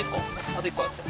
あと１個だって。